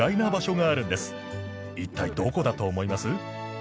一体どこだと思います？